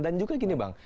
dan juga gini bang